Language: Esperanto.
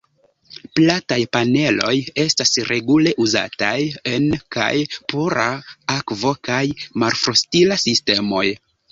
Plataj paneloj estas regule uzataj en kaj pura akvo kaj malfrostila sistemoj.